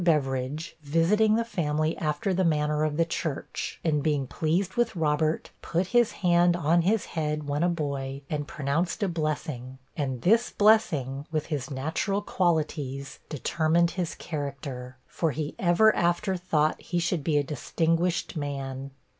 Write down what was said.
Bevridge, visiting the family after the manner of the church, and being pleased with Robert, put his hand on his head, when a boy, and pronounced a blessing, and this blessing, with his natural qualities, determined his character; for he ever after thought he should be a distinguished man.